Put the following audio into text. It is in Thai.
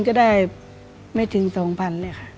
ก็ได้ไม่ถึง๒๐๐๐บาทค่ะ